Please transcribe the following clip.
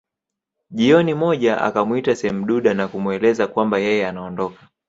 Jioni moja akamwita Semduda na kumweleza kwamba yeye anaondoka